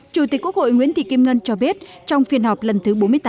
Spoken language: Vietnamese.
chủ tịch quốc hội nguyễn thị kim ngân cho biết trong phiên họp lần thứ bốn mươi tám